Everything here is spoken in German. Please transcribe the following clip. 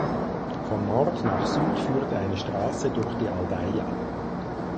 Von Nord nach Süd führt eine Straße durch die Aldeia.